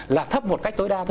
là thấp một cách tối đa thôi